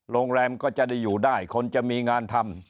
โรงแรมก็จะได้อยู่ได้คนจะมีงานทำ